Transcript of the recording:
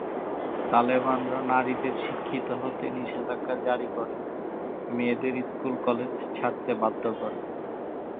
তালেবানরা নারীদের শিক্ষিত হতে নিষেধাজ্ঞা জারি করে, মেয়েদের স্কুল -কলেজ ছাড়তে বাধ্য করে।